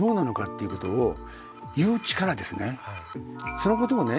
そのことをね